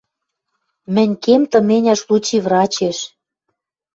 Мӹнь кем тыменяш лучи врачеш.